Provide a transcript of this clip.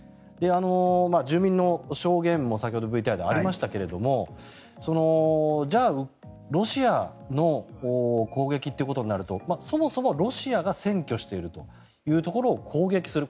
住民の証言も先ほどＶＴＲでありましたがじゃあロシアの攻撃ということになるとそもそもロシアが占拠しているというところを攻撃する。